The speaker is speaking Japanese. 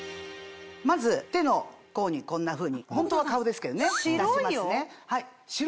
まず手の甲にこんなふうにホントは顔ですけどね出しますね。